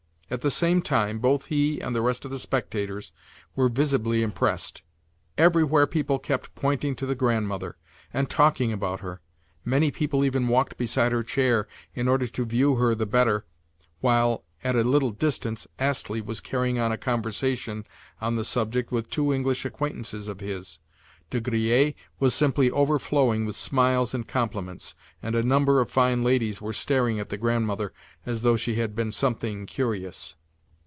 At the same time, both he and the rest of the spectators were visibly impressed. Everywhere people kept pointing to the Grandmother, and talking about her. Many people even walked beside her chair, in order to view her the better while, at a little distance, Astley was carrying on a conversation on the subject with two English acquaintances of his. De Griers was simply overflowing with smiles and compliments, and a number of fine ladies were staring at the Grandmother as though she had been something curious.